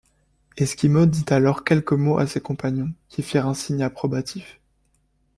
Esquimaude dit alors quelques mots à ses compagnons, qui firent un signe approbatif.